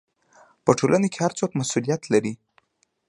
په ټولنه کې هر څوک مسؤلیت لري.